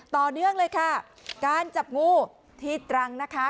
ต่อเนื่องเลยค่ะการจับงูที่ตรังนะคะ